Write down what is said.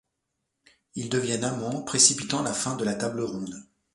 Ils deviennent amants, précipitant la fin de la Table ronde.